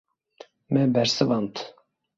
Me bersivand.